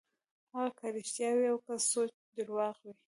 هغه که رښتيا وي او که سوچه درواغ وي.